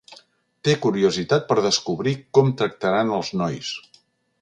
Té curiositat per descobrir com tractaran als nois.